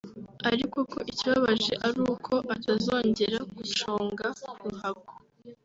ariko ko ikibabaje ari uko atazongera guconga ruhago